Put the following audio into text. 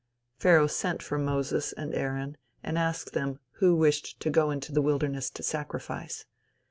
Pharaoh sent for Moses and Aaron and asked them, who wished to go into the wilderness to sacrifice.